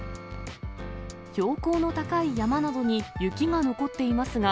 標高の高い山などに雪が残っていますが、